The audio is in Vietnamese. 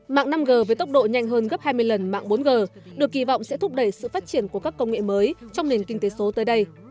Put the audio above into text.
mạng năm g với tốc độ nhanh hơn gấp hai mươi lần mạng bốn g được kỳ vọng sẽ thúc đẩy sự phát triển của các công nghệ mới trong nền kinh tế số tới đây